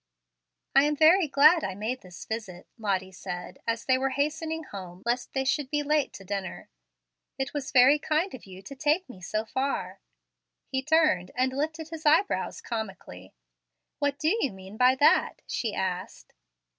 "I am very glad I made this visit," Lottie said, as they were hastening home lest they should be late to dinner. "It was very kind of you to take me so far." He turned and lifted his eyebrows comically. "What do you mean by that?" she asked.